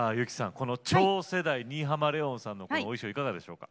この超世代新浜レオンさんのこのお衣装いかがでしょうか？